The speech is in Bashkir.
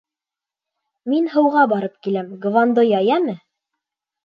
— Мин һыуға барып киләм, Гвандоя, йәме.